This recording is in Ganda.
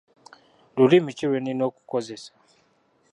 Lulimi ki lwe nnina okukozesa?